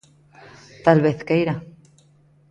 Talvez queira.